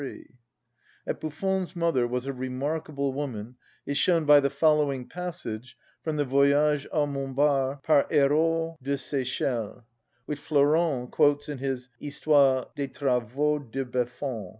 That Buffon's mother was a remarkable woman is shown by the following passage from the "Voyage à Montbar, par Hérault de Sechelles," which Flourens quotes in his "Histoire des travaux de Buffon," p.